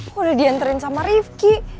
gue udah diantrein sama rifki